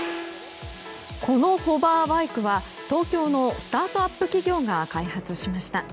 このホバーバイクは東京のスタートアップ企業が開発しました。